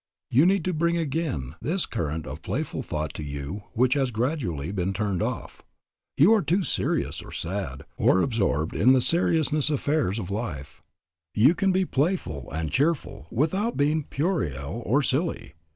"You need to bring again this current of playful thought to you which has gradually been turned off. You are too serious or sad, or absorbed in the serious affairs of life. You can be playful and cheerful without being puerile or silly.